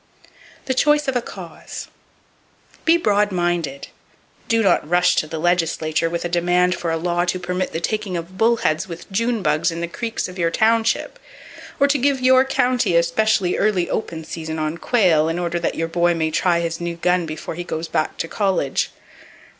The Choice Of A Cause. —Be broad minded. Do not rush to the legislature with a demand for a law to permit the taking of bull heads with June bugs in the creeks of your township, or to give your county a specially early open season on quail in order that your boy may try his new gun before he goes back to college.